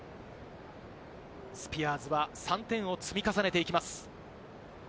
スピアーズは３点を積み重ねていきます。